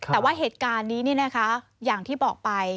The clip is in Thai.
แต่ว่าเหตุการณ์นี้อย่างที่บอกไป